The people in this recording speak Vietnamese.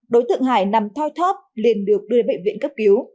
đối tượng hải nằm thoi thóp liền được đưa bệnh viện cấp cứu